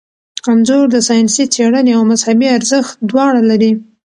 انځور د ساینسي څیړنې او مذهبي ارزښت دواړه لري.